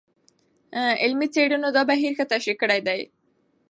علمي څېړنو دا بهیر ښه تشریح کړی دی.